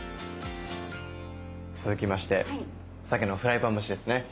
続きましてさけのフライパン蒸しですね。